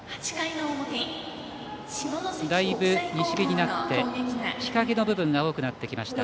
だいぶ西日になって日陰の部分が多くなってきました